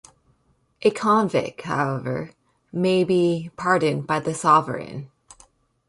A convict, however, may be pardoned by the Sovereign.